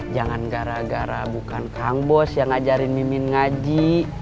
jangan gara gara bukan kang bos yang ngajarin mimin ngaji